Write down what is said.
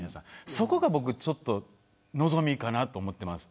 そこがちょっと望みかなと思ってます。